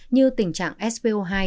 như tình trạng spo hai